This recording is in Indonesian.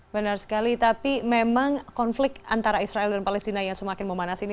benar sekali tapi memang konflik antara israel dan palestina yang semakin memanas ini